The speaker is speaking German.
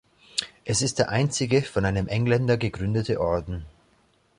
Es ist der einzige von einem Engländer gegründete Orden.